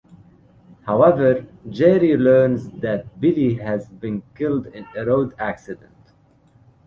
However, Gerry learns that Billy has been killed in a road accident.